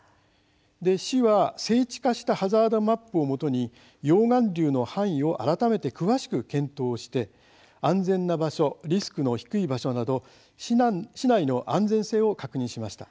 精緻化したハザードマップをもとに溶岩流の範囲を改めて詳しく検討して安全な場所、リスクの低い場所など市内の安全性を確認しました。